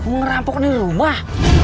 ngerampok nih rumah